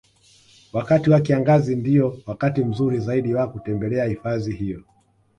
Wakati wa kiangazi ndiyo wakati mzuri zaidi wa kutembelea hifadhi hiyo